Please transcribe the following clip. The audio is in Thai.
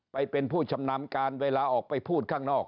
ไปเป็นผู้ชำนาญการเวลาออกไปพูดข้างนอก